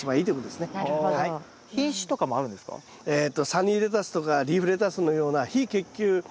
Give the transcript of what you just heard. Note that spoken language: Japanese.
サニーレタスとかリーフレタスのような非結球